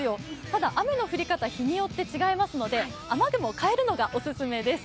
ただ、雨の降り方は日によって違うので、雨具を変えるのがオススメです。